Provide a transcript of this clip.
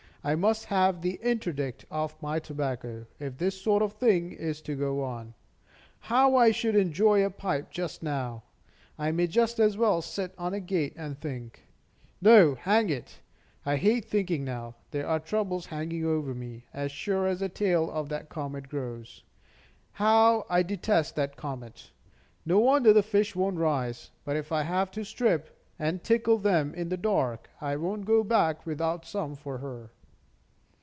I must have the interdict off my tobacco, if this sort of thing is to go on. How I should enjoy a pipe just now! I may just as well sit on a gate and think. No, hang it, I hate thinking now. There are troubles hanging over me, as sure as the tail of that comet grows. How I detest that comet! No wonder the fish won't rise. But if I have to strip, and tickle them in the dark, I won't go back without some for her."